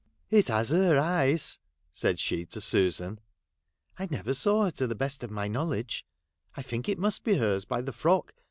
' It has her eyes,' said she to Susan. ' I never saw her to the best of my know ledge. I think it must be her's by the frock.